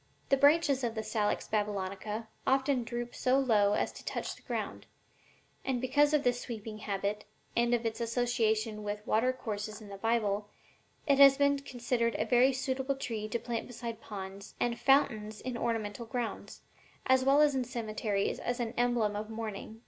The branches of the Salix Babylonica often droop so low as to touch the ground, and because of this sweeping habit, and of its association with watercourses in the Bible, it has been considered a very suitable tree to plant beside ponds and fountains in ornamental grounds, as well as in cemeteries as an emblem of mourning."